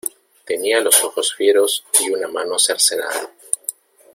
tenía los ojos fieros y una mano cercenada.